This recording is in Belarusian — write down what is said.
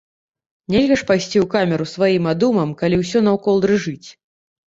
Нельга ж пайсці ў камеру сваім адумам, калі ўсё наўкол дрыжыць.